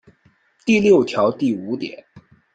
第六条第五点